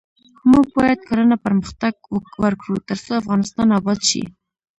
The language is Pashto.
موږ باید کرنه پرمختګ ورکړو ، ترڅو افغانستان اباد شي.